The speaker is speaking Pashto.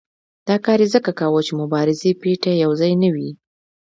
دا کار یې ځکه کاوه چې مبارزې پېټی یو ځای نه وي.